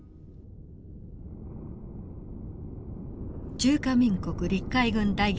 中華民国陸海軍大元帥